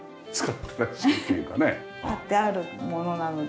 はってあるものなので。